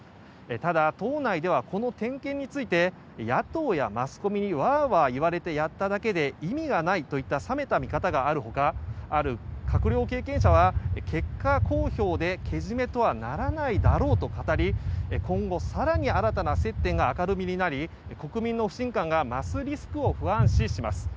ただ、党内ではこの点検について野党やマスコミにワーワー言われてやっただけで意味がないといった冷めた見方がある他ある閣僚経験者は、結果公表でけじめとはならないだろうと語り今後、更に新たな接点が明るみになり国民の不信感が増すリスクを不安視します。